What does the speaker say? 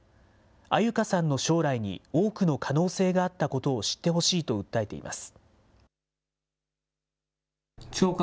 判決を前に両親は、安優香さんの将来に多くの可能性があったことを知ってほしいと訴えています。